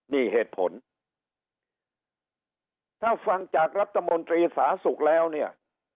นี่เหตุผลถ้าฟังจากรัฐมนตรีสาสุขแล้วเนี่ย